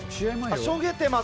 しょげてます。